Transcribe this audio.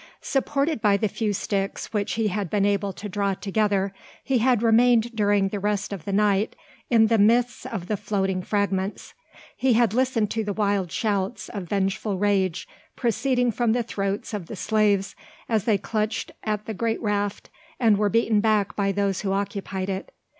Supported by the few sticks which he had been able to draw together, he had remained during the rest of the night in the midst of the floating fragments. He had listened to the wild shouts of vengeful rage, proceeding from the throats of the slaves as they clutched at the great raft, and were beaten back by those who occupied it.